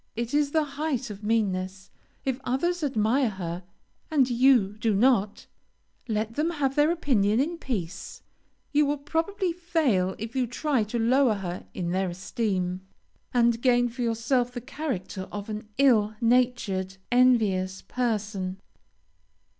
It is the height of meanness. If others admire her, and you do not, let them have their opinion in peace; you will probably fail if you try to lower her in their esteem, and gain for yourself the character of an ill natured, envious person.